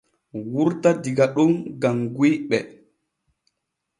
Wurta diga ɗo gam guyɓe.